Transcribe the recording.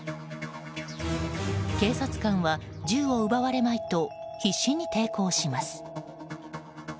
警察官は銃を奪われまいと必死に抵抗します。